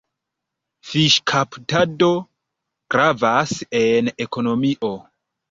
Fiŝkaptado gravas en ekonomio.